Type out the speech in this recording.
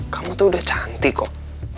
kamu tuh udah cantik kok